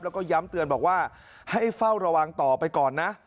แล้วก็ย้ำเตือนบอกว่าให้เฝ้าระวังต่อไปก่อนนะ